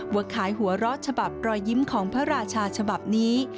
ว่าขายหัวเราะฉบับรอยยิ้มของพระราชาฉบับนี้